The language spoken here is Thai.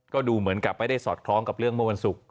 ก็ดูเหมือนกับไม่ได้สอดคล้องกับเรื่องเมื่อวันศุกร์